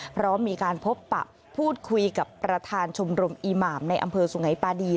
พร้อมมีการพบปะพูดคุยกับประธานชมรมอีหมามในอำเภอสุงัยปาดี